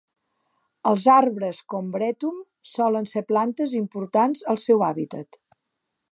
Els arbres "Combretum" solen ser plantes importants al seu hàbitat.